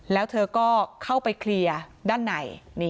แล้วเธอก็เข้าไปเคลียร์ด้านใน